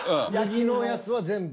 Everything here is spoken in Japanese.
右のやつは全部。